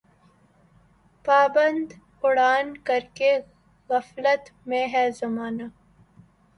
پابند اڑان کر کے غفلت میں ہے زمانہ